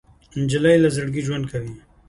نجلۍ له زړګي ژوند کوي.